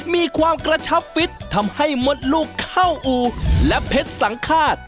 มีความกระชับฟิตทำให้มดลูกเข้าอู่และเพชรสังฆาต